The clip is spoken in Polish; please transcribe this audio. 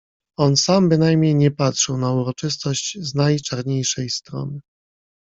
On sam bynajmniej nie patrzył na uroczystość z najczarniejszej strony.